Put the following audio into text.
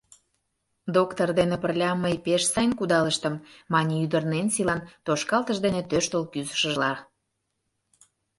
— Доктыр дене пырля мый пеш сайын кудалыштым, — мане ӱдыр Ненсилан, тошкалтыш дене тӧрштыл кӱзышыжла.